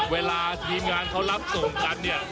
เวลาทีมงานเขารับส่งกันเนี่ย